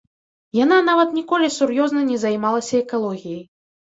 Яна нават ніколі сур'ёзна не займалася экалогіяй.